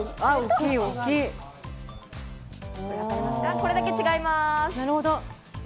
これだけ違います。